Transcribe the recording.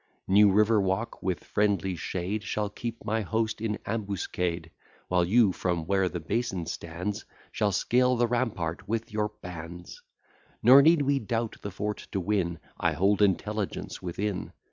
New River Walk, with friendly shade, Shall keep my host in ambuscade; While you, from where the basin stands, Shall scale the rampart with your bands. Nor need we doubt the fort to win; I hold intelligence within.